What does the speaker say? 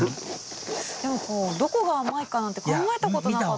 でもこうどこが甘いかなんて考えたことなかったな。